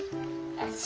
よし！